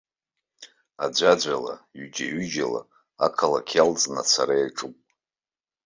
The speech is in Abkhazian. Аӡәаӡәала, ҩыџьа-ҩыџьала ақалақь иалҵны ацара иаҿуп.